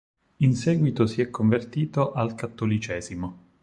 In seguito si è convertito al cattolicesimo.